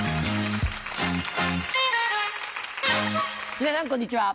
皆さんこんにちは。